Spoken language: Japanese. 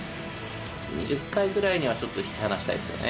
２０階くらいにはちょっと引き離したいですよね